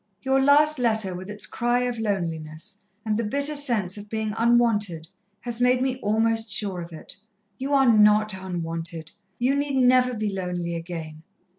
Your last letter, with its cry of loneliness, and the bitter sense of being unwanted, has made me almost sure of it. "You are not unwanted you need never be lonely again.